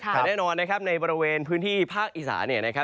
แต่แน่นอนนะครับในบริเวณพื้นที่ภาคอีสาเนี่ยนะครับ